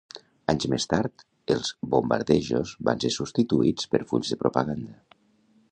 Anys més tard, els bombardejos van ser substituïts per fulls de propaganda.